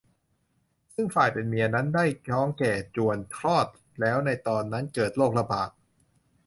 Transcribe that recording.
ซึ่งฝ่ายเป็นเมียนั้นได้ท้องแก่จวนคลอดแล้วในตอนนั้นเกิดโรคระบาด